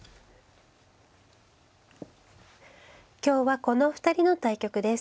今日はこのお二人の対局です。